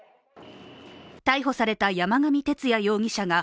逮捕された山上徹也容疑者が